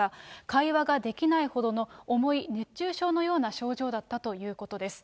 会話ができないほどの重い熱中症のような症状だったということです。